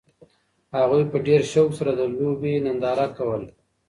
هغوی په ډېر شوق سره د لوبې ننداره کوله.